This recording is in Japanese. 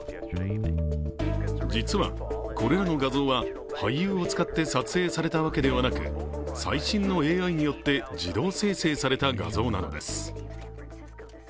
実は、これらの画像は俳優を使って撮影されたわけではなく、最新のＡＩによって自動生成された画像なのです。